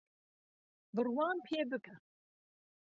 بڕوام پێبکە